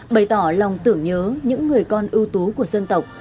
bày tỏ lòng tưởng nhớ những người con ưu tú của dân tộc